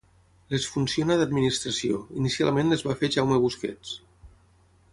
Les funciona d'administració, inicialment les va fer Jaume Busquets.